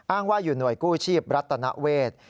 อ้างว่าอยู่หน่วยกู้ชีพรัฐนเวท